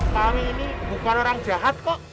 kami ini bukan orang jahat kok